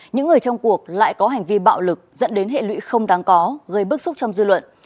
những người trong cuộc lại có hành vi bạo lực dẫn đến hệ lụy không đáng có gây bức xúc trong dư luận